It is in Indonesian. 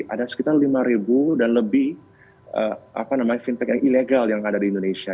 ada sekitar lima dan lebih fintech yang ilegal yang ada di indonesia